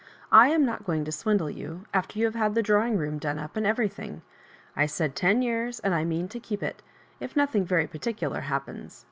I am not going to swintUe you, after you have had the drawing room done up, and everything. I said ten years, and I mean to keep it, — ^if nothing very particular happens."